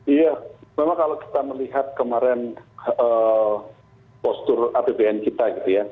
iya memang kalau kita melihat kemarin postur apbn kita